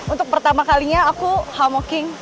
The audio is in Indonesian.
untuk pertama kalinya aku hamoking